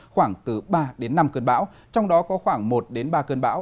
khoảng từ ba đến năm cơn bão trong đó có khoảng một đến ba cơn bão